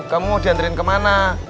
kamu mau diantarin kemana